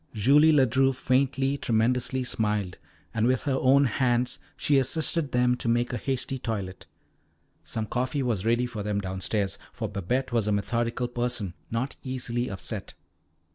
Julie Ledru faintly, tremulously, smiled, and with her own hands she assisted them to make a hasty toilet. Some coffee was ready for them downstairs, for Babette was a methodical person, not easily upset.